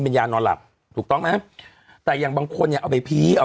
เป็นยานอนหลับถูกต้องไหมแต่อย่างบางคนเนี่ยเอาไปพีเอา